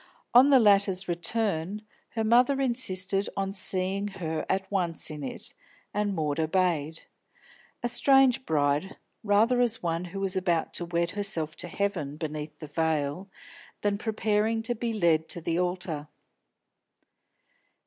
On the latter's return, her mother insisted on seeing her at once in it, and Maud obeyed. A strange bride, rather as one who was about to wed herself to Heaven beneath the veil, than preparing to be led to the altar.